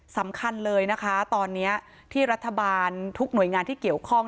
สำคัญเลยนะคะตอนนี้ที่รัฐบาลทุกหน่วยงานที่เกี่ยวข้อง